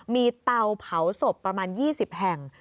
มีเตาเผาศพประมาณ๒๐แห่ง